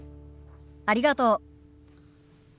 ありがとう。